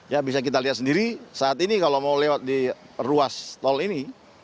ya bisa kita lihat sendiri saat ini kalau mau lewat di ruas tol ini